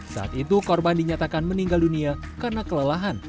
saat itu korban dinyatakan meninggal dunia karena kelelahan